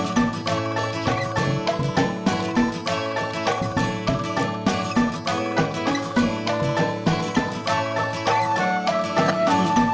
sampai jumpa lagi